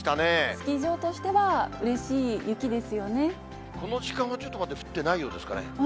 スキー場としては、うれしいこの時間はちょっとまだ降ってないようですかね。